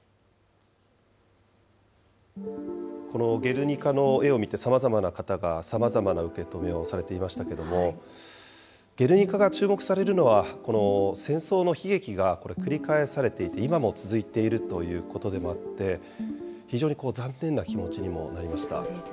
このゲルニカの絵を見て、さまざまな方がさまざまな受け止めをされていましたけれども、ゲルニカが注目されるのは、この戦争の悲劇が繰り返されていて、今も続いているということでもあって、非常に残念な気持ちにもなりました。